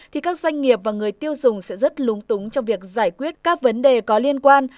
thì các doanh nghiệp và người tiêu dùng sẽ rất lúng túng trong việc giải quyết các vấn đề có liên quan